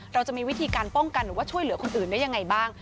เราจะมีวิธีการป้องกันหรือว่าช่วยเหลือคนอื่นได้ยังไงบ้าง